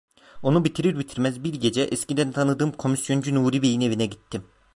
Onu bitirir bitirmez, bir gece, eskiden tanıdığım komisyoncu Nuri Bey'in evine gittim.